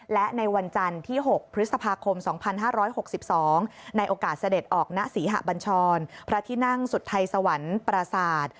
และในวันจันทร์ที่๖พฤษภาคม๒๕๖๒ในโอกาสเสด็จออกณศรีหะบัญชรพระที่นั่งสุทัยสวรรค์ปราศาสตร์